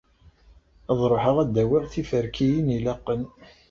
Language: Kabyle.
Ad ruḥeɣ ad d-awiɣ tiferkiyin ilaqen.